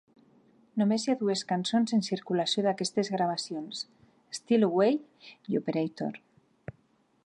Només hi ha dues cançons en circulació d"aquestes gravacions: "Steal Away" i "Operator".